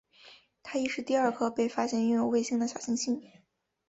它亦是第二颗被发现拥有卫星的小行星。